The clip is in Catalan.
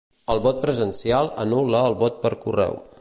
El vot presencial anul·la el vot per correu.